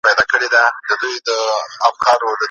کوم عمل به مي دې خلکو ته په یاد وي؟